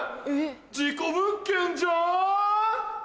事故物件じゃん！